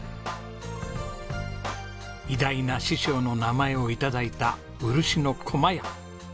偉大な師匠の名前を頂いたうるしの駒や。